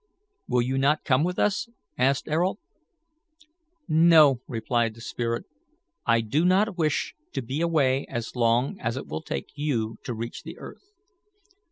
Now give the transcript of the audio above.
"Will you not come with us?" asked Ayrault. "No," replied the spirit. "I do not wish to be away as long as it will take you to reach the earth.